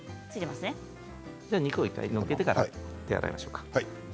肉を１回載せてから手を洗いましょうか。